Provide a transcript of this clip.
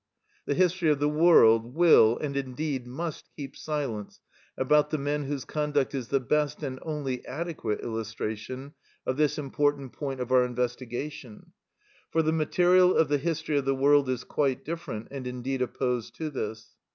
The history of the world, will, and indeed must, keep silence about the men whose conduct is the best and only adequate illustration of this important point of our investigation, for the material of the history of the world is quite different, and indeed opposed to this.